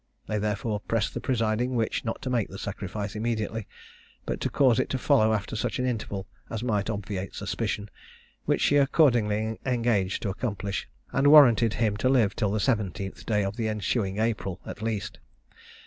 They therefore pressed the presiding witch not to make the sacrifice immediately, but to cause it to follow after such an interval as might obviate suspicion, which she accordingly engaged to accomplish, and warranted him to live till the 17th day of the ensuing April, at least.